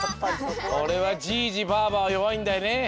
これはじいじばあばはよわいんだよね。